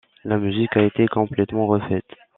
La musique a été complètement refaite.